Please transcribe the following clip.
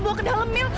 bawa ke dalam mil